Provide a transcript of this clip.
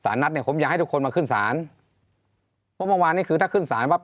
นัดเนี่ยผมอยากให้ทุกคนมาขึ้นศาลเพราะเมื่อวานนี้คือถ้าขึ้นสารว่า